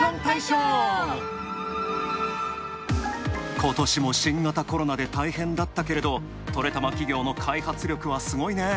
ことしも新型コロナで大変だったけれど「トレたま」企業の開発力はすごいね！